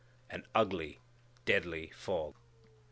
an ugly, deadly fog.